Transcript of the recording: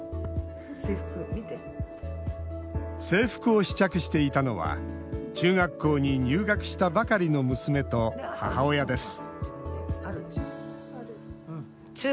制服を試着していたのは中学校に入学したばかりの娘と母親です